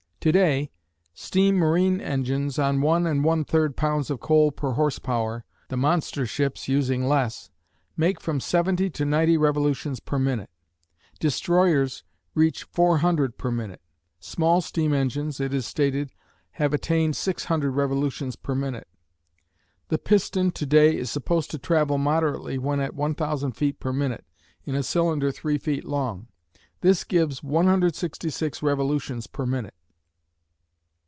To day, steam marine engines on one and one third pounds of coal per horse power the monster ships using less make from seventy to ninety revolutions per minute. "Destroyers" reach 400 per minute. Small steam engines, it is stated, have attained 600 revolutions per minute. The piston to day is supposed to travel moderately when at 1,000 feet per minute, in a cylinder three feet long. This gives 166 revolutions per minute.